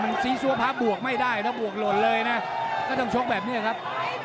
มันซีซัวพระบวกไม่ได้ถ้าบวกหล่นเลยนะก็ต้องชกแบบนี้ครับ